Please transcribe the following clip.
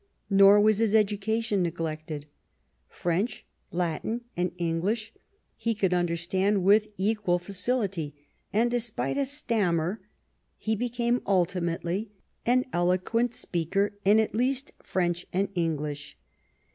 Nor was his education neglected. French, Latin, and English he could understand with equal facility, and, despite a stammer, he became ultimately an eloquent speaker in at least French and English.